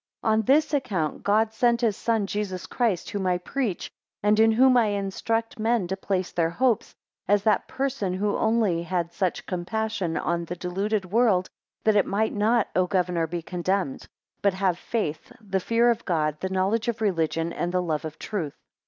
7 On this account, God sent his Son Jesus Christ, whom I preach, and in whom I instruct men to place their hopes, as that person who only had such compassion on the deluded world, that it might not, O governor, be condemned, but have faith, the fear of God, the knowledge of religion, and the love of truth.